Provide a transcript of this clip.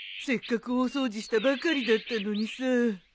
せっかく大掃除したばかりだったのにさ。